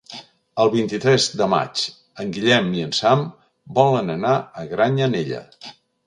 El vint-i-tres de maig en Guillem i en Sam volen anar a Granyanella.